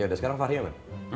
ya udah sekarang fahri apa